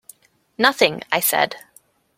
"Nothing," I said.